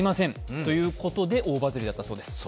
ということで、大バズりだったようです。